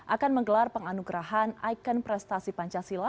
akan menggelar penganugerahan ikon prestasi pancasila